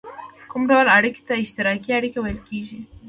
کوم ډول اړیکې ته اشتراکي اړیکه ویل کیږي؟